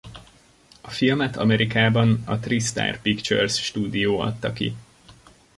A filmet Amerikában a Tri-Star Pictures stúdió adta ki.